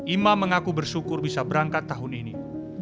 imam mengaku bersyukur bisa berangkat terhadap imam